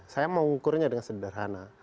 saya mau ukurnya dengan sederhana